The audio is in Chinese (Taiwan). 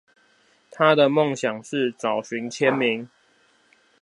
她的夢想是找尋簽名